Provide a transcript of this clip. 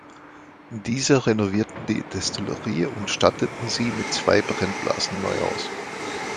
Diese renovierten die Destillerie und statteten sie mit zwei Brennblasen neu aus.